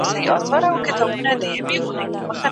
دا دنيا به مالامال وي له بدلارو